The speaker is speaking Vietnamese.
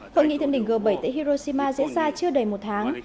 hội nghị thượng đỉnh g bảy tại hiroshima diễn ra chưa đầy một tháng